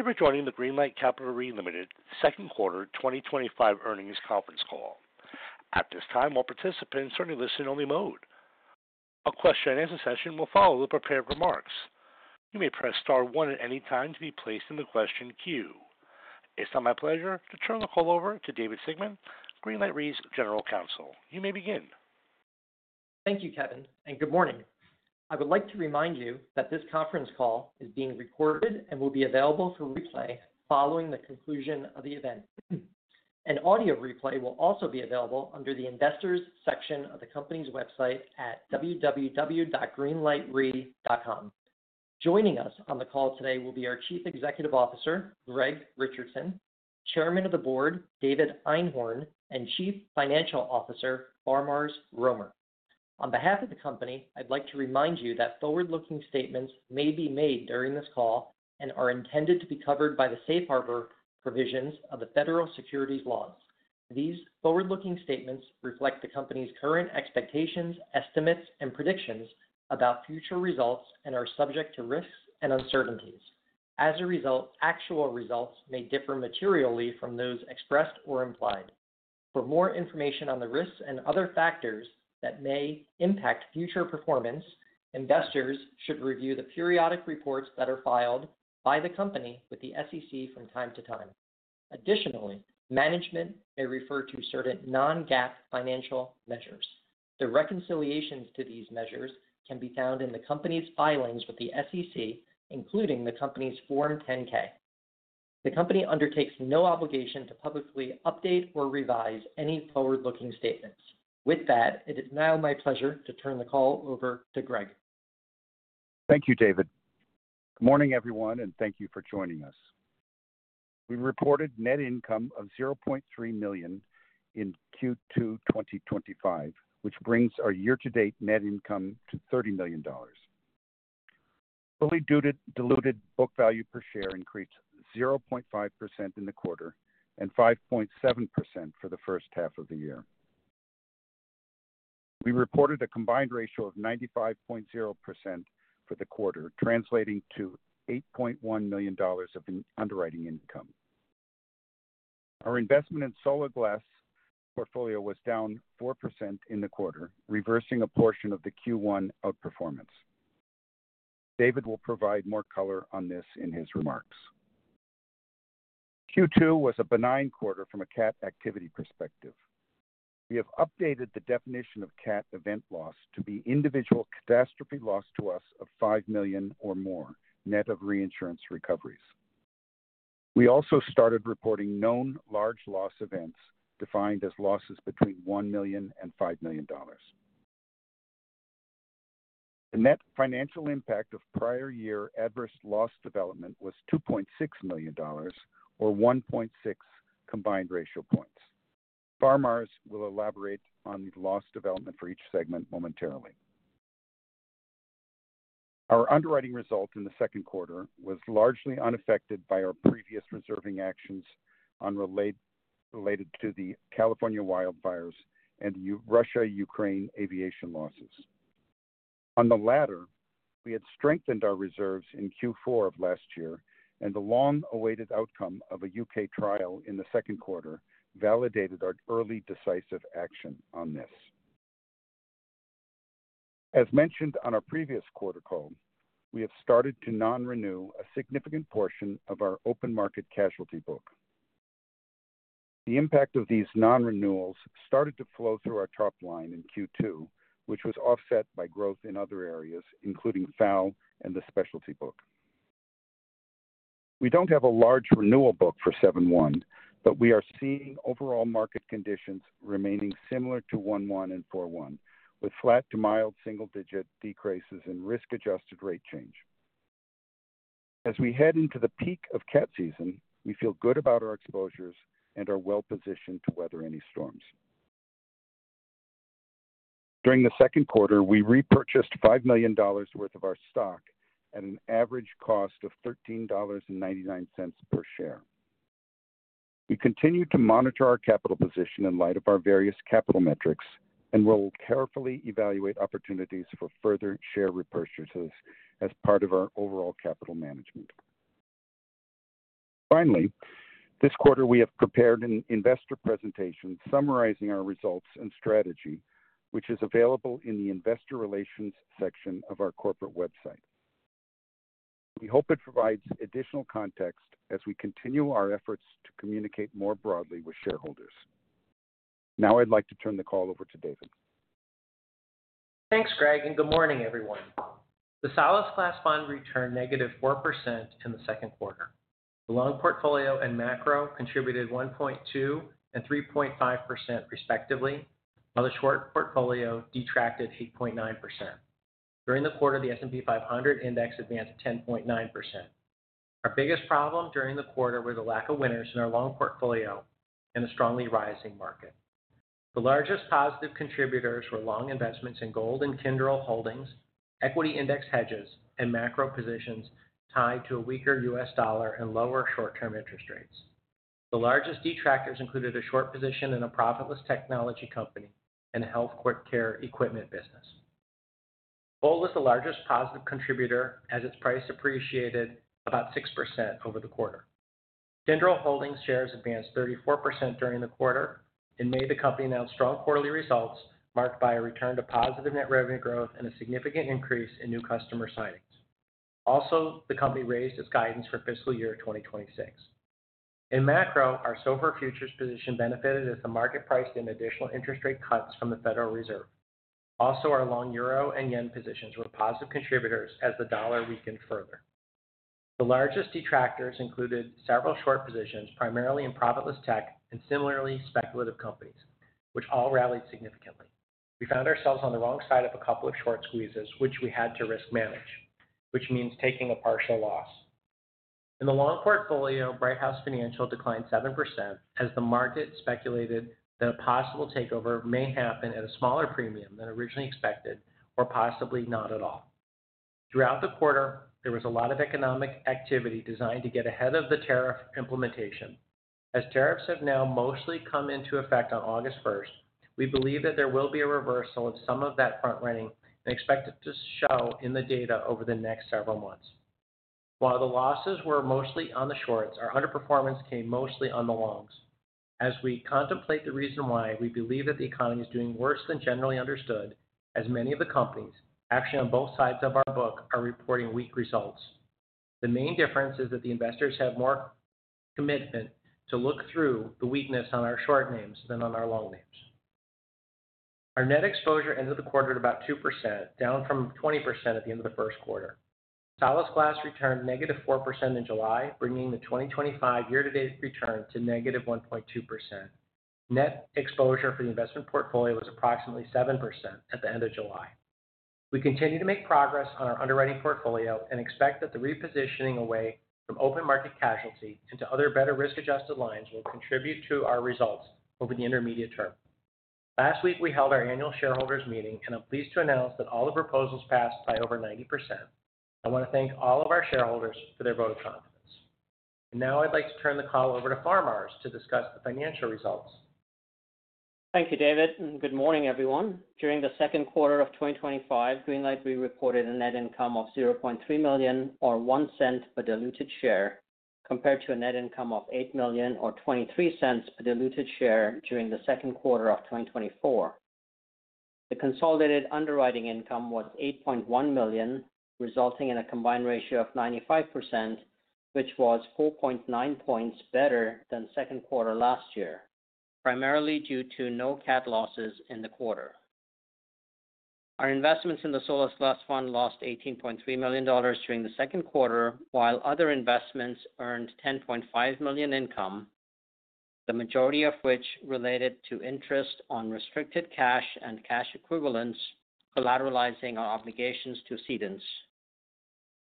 Thank you for joining the Greenlight Capital Re Second Quarter 2025 Earnings Conference Call. At this time, all participants are in a listen-only mode. A question and answer session will follow the prepared remarks. You may press star one at any time to be placed in the question queue. It's now my pleasure to turn the call over to David Sigmon, Greenlight Capital Re's General Counsel. You may begin. Thank you, Kevin, and good morning. I would like to remind you that this conference call is being recorded and will be available for replay following the conclusion of the event. An audio replay will also be available under the Investors section of the company's website at www.greenlightre.com. Joining us on the call today will be our Chief Executive Officer, Greg Richardson, Chairman of the Board, David Einhorn, and Chief Financial Officer, Faramarz Romer. On behalf of the company, I'd like to remind you that forward-looking statements may be made during this call and are intended to be covered by the safe harbor provisions of the Federal Securities Laws. These forward-looking statements reflect the company's current expectations, estimates, and predictions about future results and are subject to risks and uncertainties. As a result, actual results may differ materially from those expressed or implied. For more information on the risks and other factors that may impact future performance, investors should review the periodic reports that are filed by the company with the SEC from time to time. Additionally, management may refer to certain non-GAAP financial measures. The reconciliations to these measures can be found in the company's filings with the SEC, including the company's Form 10-K. The company undertakes no obligation to publicly update or revise any forward-looking statements. With that, it is now my pleasure to turn the call over to Greg. Thank you, David. Good morning, everyone, and thank you for joining us. We reported net income of $0.3 million in Q2 2025, which brings our year-to-date net income to $30 million. Fully diluted book value per share increased 0.5% in the quarter and 5.7% for the first half of the year. We reported a combined ratio of 95.0% for the quarter, translating to $8.1 million of underwriting income. Our investment in Solasglas Fund portfolio was down 4% in the quarter, reversing a portion of the Q1 outperformance. David will provide more color on this in his remarks. Q2 was a benign quarter from a catastrophe activity perspective. We have updated the definition of catastrophe event loss to be individual catastrophe loss to us of $5 million or more, net of reinsurance recoveries. We also started reporting known large loss events defined as losses between $1 million and $5 million. The net financial impact of prior year adverse loss development was $2.6 million or 1.6 combined ratio points. Faramarz will elaborate on the loss development for each segment momentarily. Our underwriting result in the second quarter was largely unaffected by our previous reserving actions related to the California wildfires and the Russia-Ukraine aviation losses. On the latter, we had strengthened our reserves in Q4 of last year, and the long-awaited outcome of a UK trial in the second quarter validated our early decisive action on this. As mentioned on a previous quarter call, we have started to non-renew a significant portion of our open market casualty book. The impact of these non-renewals started to flow through our top line in Q2, which was offset by growth in other areas, including FAO and the specialty book. We don't have a large renewal book for 7/1, but we are seeing overall market conditions remaining similar to 1/1 and 4/1, with flat to mild single-digit decreases in risk-adjusted rate change. As we head into the peak of catastrophe season, we feel good about our exposures and are well positioned to weather any storms. During the second quarter, we repurchased $5 million worth of our stock at an average cost of $13.99 per share. We continue to monitor our capital position in light of our various capital metrics and will carefully evaluate opportunities for further share repurchases as part of our overall capital management. Finally, this quarter we have prepared an investor presentation summarizing our results and strategy, which is available in the investor relations section of our corporate website. We hope it provides additional context as we continue our efforts to communicate more broadly with shareholders. Now I'd like to turn the call over to David. Thanks, Greg, and good morning, everyone. The Solasglas Fund returned -4% in the second quarter. The long portfolio and macro contributed 1.2% and 3.5% respectively, while the short portfolio detracted 8.9%. During the quarter, the S&P 500 index advanced 10.9%. Our biggest problem during the quarter was the lack of winners in our long portfolio and the strongly rising market. The largest positive contributors were long investments in gold and Kindle Holdings, equity index hedges, and macro positions tied to a weaker U.S. dollar and lower short-term interest rates. The largest detractors included a short position in a profitless technology company and a healthcare equipment business. Gold was the largest positive contributor as its price appreciated about 6% over the quarter. Kindle Holdings shares advanced 34% during the quarter. In May, the company announced strong quarterly results marked by a return to positive net revenue growth and a significant increase in new customer signings. Also, the company raised its guidance for fiscal year 2026. In macro, our silver futures position benefited as the market priced in additional interest rate cuts from the Federal Reserve. Also, our long euro and yen positions were positive contributors as the dollar weakened further. The largest detractors included several short positions primarily in profitless tech and similarly speculative companies, which all rallied significantly. We found ourselves on the wrong side of a couple of short squeezes, which we had to risk manage, which means taking a partial loss. In the long portfolio, Brighthouse Financial declined 7% as the market speculated that a possible takeover may happen at a smaller premium than originally expected or possibly not at all. Throughout the quarter, there was a lot of economic activity designed to get ahead of the tariff implementation. As tariffs have now mostly come into effect on August 1, we believe that there will be a reversal of some of that front running and expect it to show in the data over the next several months. While the losses were mostly on the shorts, our underperformance came mostly on the longs. As we contemplate the reason why, we believe that the economy is doing worse than generally understood, as many of the companies actually on both sides of our book are reporting weak results. The main difference is that the investors have more commitment to look through the weakness on our short names than on our long names. Our net exposure ended the quarter at about 2%, down from 20% at the end of the first quarter. Solasglas Fund returned -4% in July, bringing the 2023 year-to-date return to -1.2%. Net exposure for the investment portfolio was approximately 7% at the end of July. We continue to make progress on our underwriting portfolio and expect that the repositioning away from open market casualty into other better risk-adjusted lines will contribute to our results over the intermediate term. Last week, we held our annual shareholders' meeting, and I'm pleased to announce that all the proposals passed by over 90%. I want to thank all of our shareholders for their vote of confidence. I would now like to turn the call over to Faramarz to discuss the financial results. Thank you, David, and good morning, everyone. During the second quarter of 2025, Greenlight Capital Re reported a net income of $0.3 million or $0.01 per diluted share, compared to a net income of $8 million or $0.23 per diluted share during the second quarter of 2024. The consolidated underwriting income was $8.1 million, resulting in a combined ratio of 95%, which was 4.9 points better than the second quarter last year, primarily due to no CAT losses in the quarter. Our investments in the Solasglas Fund lost $18.3 million during the second quarter, while other investments earned $10.5 million income, the majority of which related to interest on restricted cash and cash equivalents, collateralizing our obligations to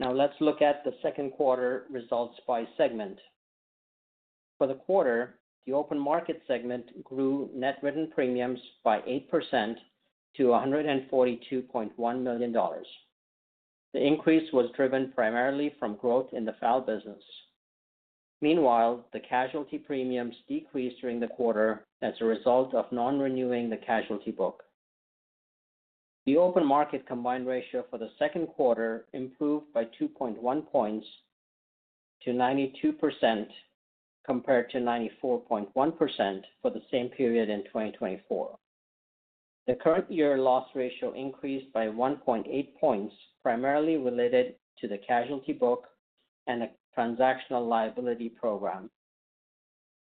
cedents. Now let's look at the second quarter results by segment. For the quarter, the open market segment grew net written premiums by 8% to $142.1 million. The increase was driven primarily from growth in the FAO business. Meanwhile, the casualty premiums decreased during the quarter as a result of non-renewing the casualty book. The open market combined ratio for the second quarter improved by 2.1 points to 92% compared to 94.1% for the same period in 2024. The current year loss ratio increased by 1.8 points, primarily related to the casualty book and the transactional liability program.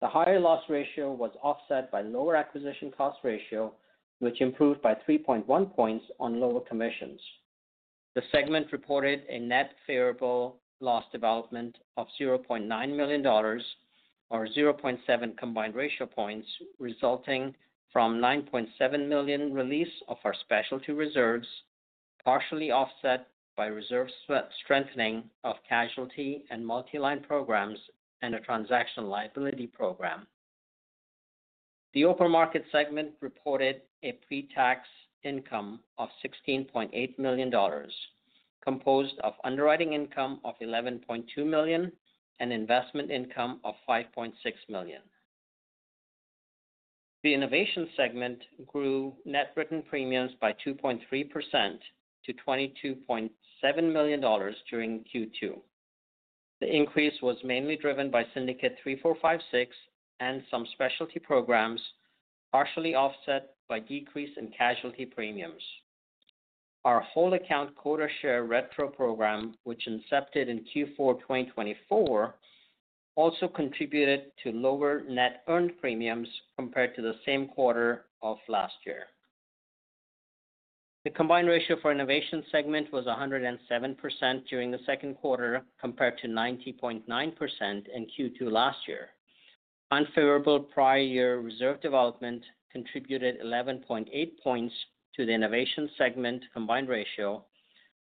The higher loss ratio was offset by the lower acquisition cost ratio, which improved by 3.1 points on lower commissions. The segment reported a net favorable loss development of $0.9 million or 0.7 combined ratio points, resulting from a $9.7 million release of our specialty reserves, partially offset by reserve strengthening of casualty and multiline programs and a transactional liability program. The open market segment reported a pre-tax income of $16.8 million, composed of underwriting income of $11.2 million and investment income of $5.6 million. The innovation segment grew net written premiums by 2.3% to $22.7 million during Q2. The increase was mainly driven by Syndicate 3456 and some specialty programs, partially offset by a decrease in casualty premiums. Our whole account quota share retro program, which incepted in Q4 2024, also contributed to lower net earned premiums compared to the same quarter of last year. The combined ratio for innovation segment was 107% during the second quarter, compared to 90.9% in Q2 last year. Unfavorable prior year reserve development contributed 11.8 points to the innovation segment combined ratio,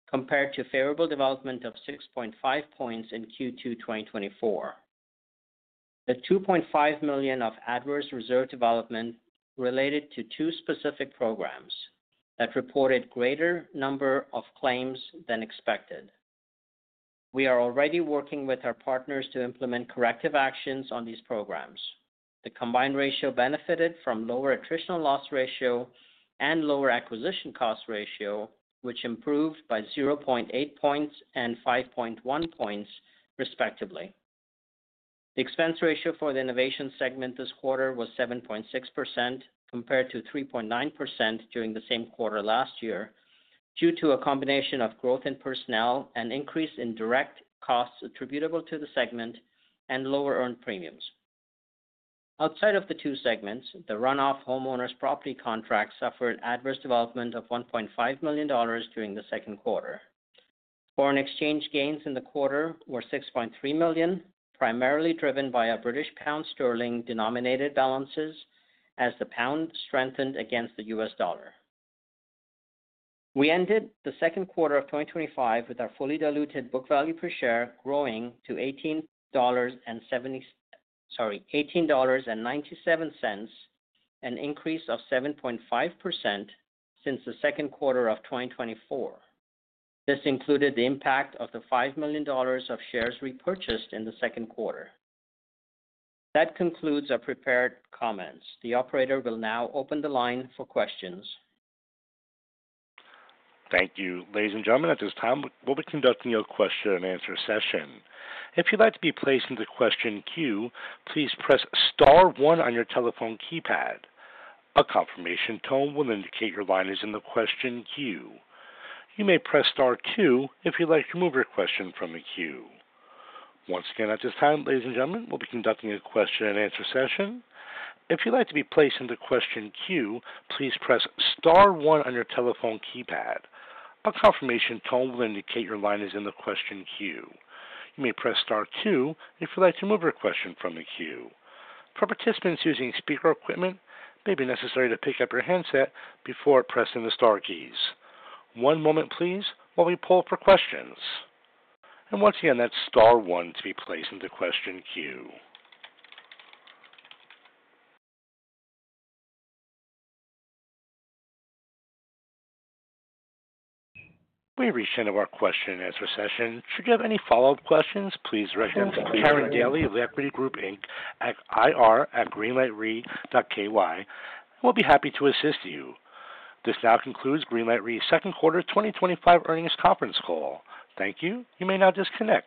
compared to favorable development of 6.5 points in Q2 2024. The $2.5 million of adverse reserve development related to two specific programs that reported a greater number of claims than expected. We are already working with our partners to implement corrective actions on these programs. The combined ratio benefited from a lower attritional loss ratio and lower acquisition cost ratio, which improved by 0.8 points and 5.1 points, respectively. The expense ratio for the innovation segment this quarter was 7.6% compared to 3.9% during the same quarter last year, due to a combination of growth in personnel and an increase in direct costs attributable to the segment and lower earned premiums. Outside of the two segments, the runoff homeowners' property contract suffered adverse development of $1.5 million during the second quarter. Foreign exchange gains in the quarter were $6.3 million, primarily driven by our British pound sterling denominated balances, as the pound strengthened against the U.S. dollar. We ended the second quarter of 2025 with our fully diluted book value per share growing to $18.97, an increase of 7.5% since the second quarter of 2024. This included the impact of the $5 million of shares repurchased in the second quarter. That concludes our prepared comments. The operator will now open the line for questions. Thank you, ladies and gentlemen. At this time, we'll be conducting a question and answer session. If you'd like to be placed into the question queue, please press star one on your telephone keypad. A confirmation tone will indicate your line is in the question queue. You may press star two if you'd like to remove your question from the queue. Once again, at this time, ladies and gentlemen, we'll be conducting a question and answer session. If you'd like to be placed into the question queue, please press star one on your telephone keypad. A confirmation tone will indicate your line is in the question queue. You may press star two if you'd like to remove your question from the queue. For participants using speaker equipment, it may be necessary to pick up your headset before pressing the star keys. One moment, please, while we poll for questions. Once again, that's star one to be placed into the question queue. We have reached the end of our question and answer session. Should you have any follow-up questions, please write to Karen Daly of The Equity Group Inc. at ir@greenlightre.ky. We'll be happy to assist you. This now concludes Greenlight Capital Re's second quarter 2025 earnings conference call. Thank you. You may now disconnect.